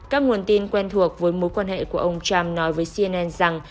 các nguồn tin quen thuộc với mối quan hệ của ông trump nói với cnn rằng